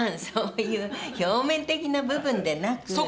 そういう表面的な部分でなく。